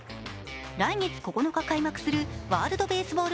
来月９日開幕するワールドベースボール